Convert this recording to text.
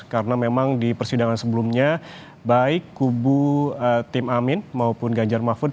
karena memang di persidangan sebelumnya baik kubu tim amin maupun ganjar mahfud